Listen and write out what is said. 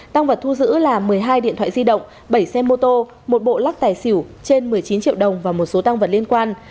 tăng vật thu giữ là một mươi hai điện thoại di động bảy xe mô tô một bộ lắc tài xỉu trên một mươi chín triệu đồng và một số tăng vật liên quan